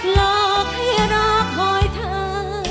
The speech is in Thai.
รอกให้รอกหอยทา